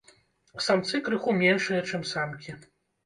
Самцы крыху меншыя, чым самкі.